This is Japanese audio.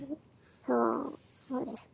そうそうですね。